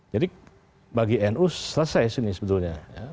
jadi bagi nu selesai sih ini sebetulnya